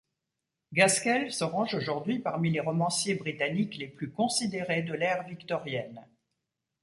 Gaskell se range aujourd'hui parmi les romanciers britanniques les plus considérés de l'ère victorienne.